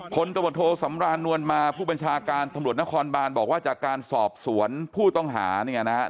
ตำรวจโทสำรานนวลมาผู้บัญชาการตำรวจนครบานบอกว่าจากการสอบสวนผู้ต้องหาเนี่ยนะครับ